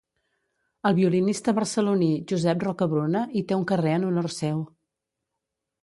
El violinista barceloní Josep Rocabruna hi té un carrer en honor seu.